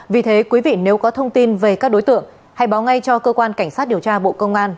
vì thế quý vị nếu có thông tin về các đối tượng hãy báo ngay cho cơ quan cảnh sát điều tra bộ công an